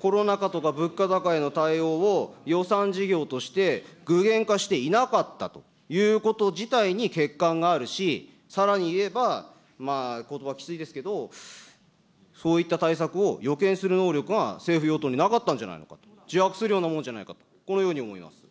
コロナ禍とか物価高への対応を予算事業として具現化していなかったということ自体に欠陥があるし、さらに言えば、ことばきついですけど、そういった対策を予見する能力が、政府・与党になかったんじゃないのか、自白するようなもんじゃないかと、このように思います。